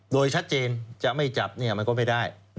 โดยชัดเจนจะไม่จับมันก็ไม่ได้